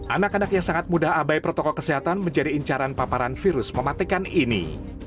anak anak yang sangat mudah abai protokol kesehatan menjadi incaran paparan virus mematikan ini